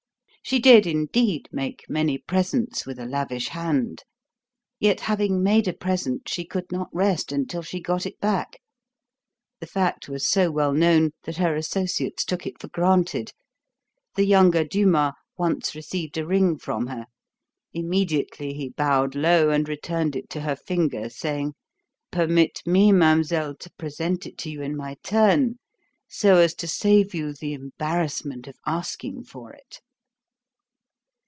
She did, indeed, make many presents with a lavish hand; yet, having made a present, she could not rest until she got it back. The fact was so well known that her associates took it for granted. The younger Dumas once received a ring from her. Immediately he bowed low and returned it to her finger, saying: "Permit me, mademoiselle, to present it to you in my turn so as to save you the embarrassment of asking for it."